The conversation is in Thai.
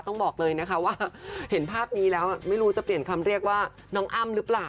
ต้องบอกเลยนะคะว่าเห็นภาพนี้แล้วไม่รู้จะเปลี่ยนคำเรียกว่าน้องอ้ำหรือเปล่า